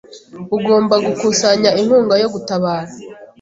Ugomba gukusanya inkunga yo gutabara.